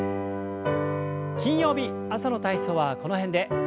金曜日朝の体操はこの辺で。